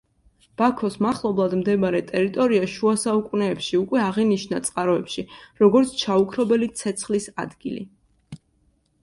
ბაქოს მახლობლად მდებარე ტერიტორია შუა საუკუნეებში უკვე აღინიშნა წყაროებში, როგორც ჩაუქრობელი ცეცხლის ადგილი.